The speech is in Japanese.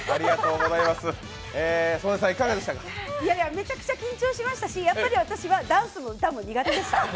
めちゃくちゃ緊張しましたし、やっぱり私はダンスも歌も苦手でした。